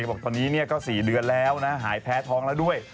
บอกตอนนี้ก็๔เดือนแล้วนะหายแพ้ท้องแล้วด้วย